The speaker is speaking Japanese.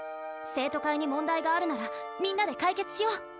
生徒会に問題があるならみんなで解決しよう！